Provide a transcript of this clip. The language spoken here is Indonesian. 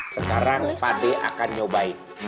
sekarang pak d akan mencoba